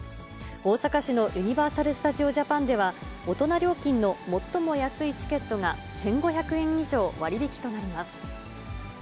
大阪市のユニバーサル・スタジオ・ジャパンでは、大人料金の最も安いチケットが１５００円以上割引となります。